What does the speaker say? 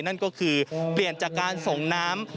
นั่นก็คือเปลี่ยนจากการส่งน้ำ